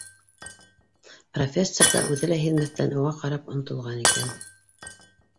Профессор ҙа, үҙе лә һиҙмәҫтән, уға ҡарап онотолған икән